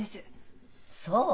そう。